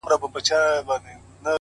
o پټه خوله وځم له بې قدره بازاره,